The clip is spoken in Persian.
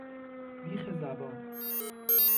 بیخ زبان